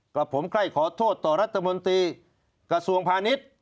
กับผมใกล้ขอโทษต่อรัฐมนตรีกระทรวงพาณิชย์